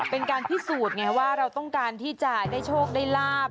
เป็นการพิสูจน์ไงว่าเราต้องการที่จะได้โชคได้ลาบ